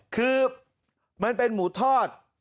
คือมันเป็นหมูทอด